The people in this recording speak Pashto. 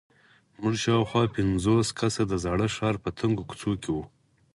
موږ شاوخوا پنځوس کسه د زاړه ښار په تنګو کوڅو کې وو.